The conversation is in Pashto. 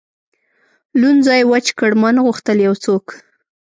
لوند ځای وچ کړ، ما نه غوښتل یو څوک.